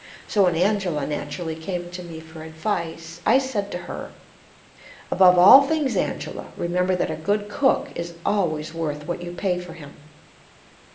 So when Angela naturally came to me for advice, I said to her: 'Above all things, Angela, remember that a good cook is always worth what you pay for him.'